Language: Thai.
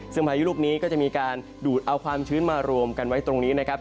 ซึ่งพายุลูกนี้ก็จะมีการดูดเอาความชื้นมารวมกันไว้ตรงนี้นะครับ